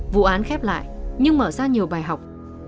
vụ án khép lại nhưng mở ra nhiều bài học